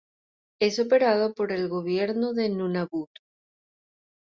Es operado por el gobierno de Nunavut.